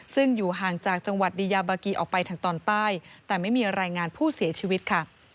ซึ่งอยู่ห่างจากจังหวัดดียาบากีออกไปทางตอนใต้แต่ไม่มีรายงานผู้เสียชีวิตค่ะ